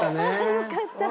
よかったね。